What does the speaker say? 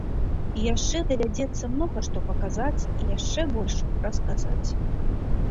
І яшчэ давядзецца многа што паказаць і яшчэ больш расказаць.